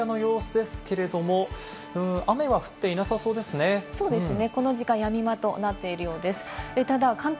今の渋谷の様子ですけれども、雨は降っていなさそうですね。